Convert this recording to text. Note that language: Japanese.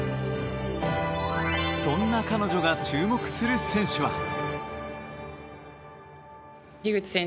そんな彼女が注目する選手は。